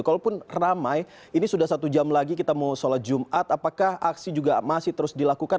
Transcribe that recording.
kalaupun ramai ini sudah satu jam lagi kita mau sholat jumat apakah aksi juga masih terus dilakukan